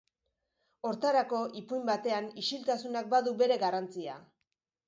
Hortarako, ipuin batean, ixiltasunak badu bere garrantzia.